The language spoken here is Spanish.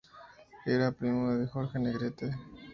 Era primo de Jorge Negrete.